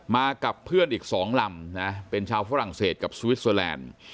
มากับเพื่อนอีก๒ลำนะเป็นชาวฝรั่งเศสกับสวิสเตอร์แลนด์